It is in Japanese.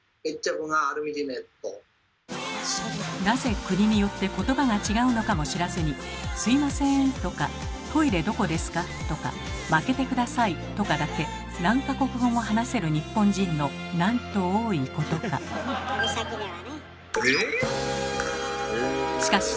なぜ国によって言葉が違うのかも知らずに「すいません」とか「トイレどこですか？」とか「まけてください」とかだけ何か国語も話せる日本人のなんと多いことか。